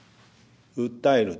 訴える。